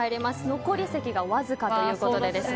残り席がわずかということです。